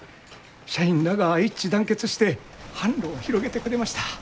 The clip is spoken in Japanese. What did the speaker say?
社員らが一致団結して販路を広げてくれました。